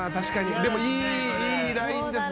でも、いいラインですね。